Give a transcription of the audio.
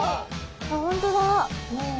あっ本当だ。